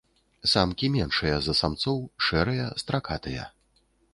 Самкі меншыя за самцоў, шэрыя, стракатыя.